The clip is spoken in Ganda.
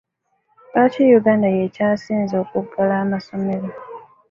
Lwaki Uganda y'ekyasiinze okugala amasomero?